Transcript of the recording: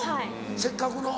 せっかくの。